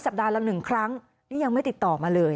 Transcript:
ปัดละ๑ครั้งนี่ยังไม่ติดต่อมาเลย